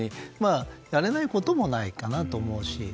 やれないこともないと思うし。